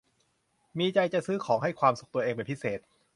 มีใจจะซื้อของให้ความสุขตัวเองเป็นพิเศษ